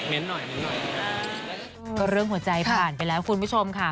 ก็เรื่องหัวใจผ่านไปแล้วคุณผู้ชมค่ะ